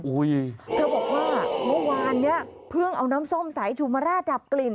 โอ้โหเธอบอกว่าโมงบาลเพิ่งเอาน้ำส้มใสชูมราร่าจับกลิ่น